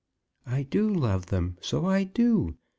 "I do love them; so I do.